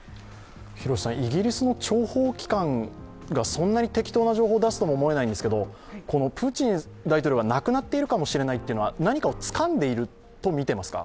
イギリスの諜報機関がそんなに適当な情報を出すとも思えないんですけれども、プーチン大統領が亡くなっているかもしれないというのは何かをつかんでいると見ていますか。